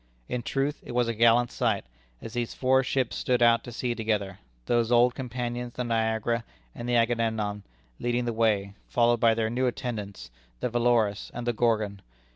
In truth, it was a gallant sight, as these four ships stood out to sea together those old companions, the Niagara and the Agamemnon, leading the way, followed by their new attendants, the Valorous and the Gorgon.